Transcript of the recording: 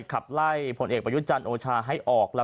ขับไล่ผลเอกบัญญุชันโอชาให้ออก